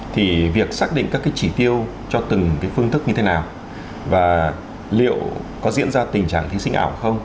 thì việc xác định các cái chỉ tiêu cho từng cái phương thức như thế nào và liệu có diễn ra tình trạng thí sinh ảo không